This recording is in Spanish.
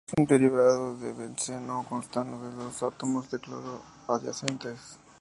Es un derivado de benceno, constando de dos átomos de cloro adyacentes.